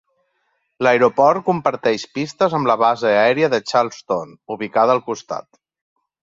L'aeroport comparteix pistes amb la base aèria de Charleston, ubicada al costat.